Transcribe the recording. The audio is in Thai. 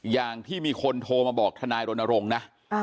อย่างที่มีคนโทรมาบอกทนายรณรงค์นะ